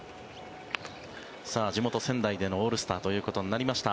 地元・仙台でのオールスターということになりました。